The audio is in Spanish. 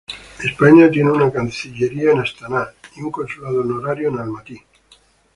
España tiene una cancillería en Astaná y un consulado honorario en Almaty.